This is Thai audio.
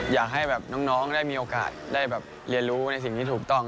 อยากให้แบบน้องได้มีโอกาสได้แบบเรียนรู้ในสิ่งที่ถูกต้อง